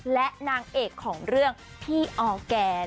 และนางเอกของเรื่องพี่ออร์แกน